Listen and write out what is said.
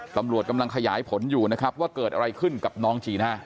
ตำรวจกำลังขยายผลอยู่นะครับว่าเกิดอะไรขึ้นกับน้องจีน่า